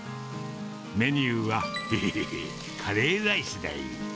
メニューは、えへへへ、カレーライスだい。